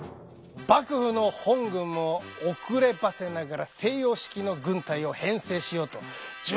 幕府の本軍も遅ればせながら西洋式の軍隊を編制しようと準備を始めておるぞ。